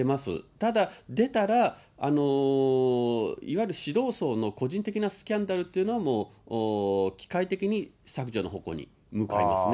ただ、出たら、いわゆる指導層の個人的なスキャンダルというのはもう、機械的に削除の方向に向かいますね。